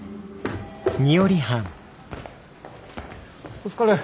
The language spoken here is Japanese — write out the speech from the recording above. お疲れ。